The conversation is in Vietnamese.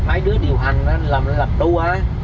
mấy đứa điều hành là mình làm tour á